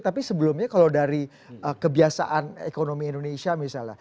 tapi sebelumnya kalau dari kebiasaan ekonomi indonesia misalnya